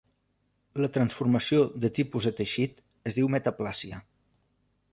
La transformació de tipus de teixit es diu metaplàsia.